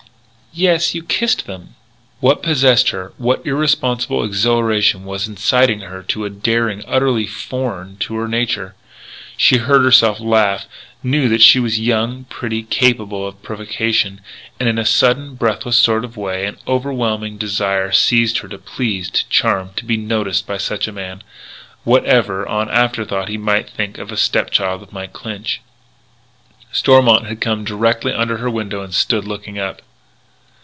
"Yes, you kissed them!" What possessed her what irresponsible exhilaration was inciting her to a daring utterly foreign to her nature? She heard herself laugh, knew that she was young, pretty, capable of provocation. And in a sudden, breathless sort of way an overwhelming desire seized her to please, to charm, to be noticed by such a man whatever, on afterthought, he might think of the step child of Mike Clinch. Stormont had come directly under her window and stood looking up.